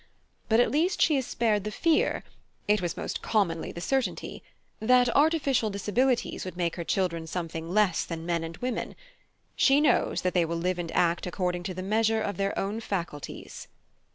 But at least she is spared the fear (it was most commonly the certainty) that artificial disabilities would make her children something less than men and women: she knows that they will live and act according to the measure of their own faculties.